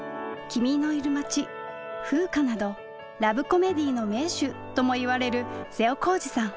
「君のいる町」「風夏」などラブコメディーの名手ともいわれる瀬尾公治さん。